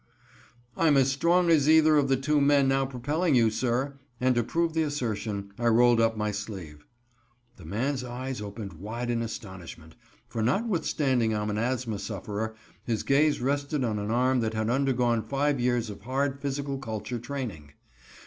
"I'm as strong as either of the two men now propelling you, sir," and, to prove the assertion, I rolled up my sleeve. The man's eyes opened wide in astonishment, for notwithstanding I'm an asthma sufferer, his gaze rested on an arm that had undergone five years of hard physical culture training.